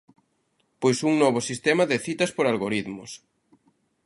Pois un novo sistema de citas por algoritmos.